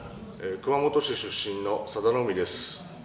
熊本市出身の佐田の海です。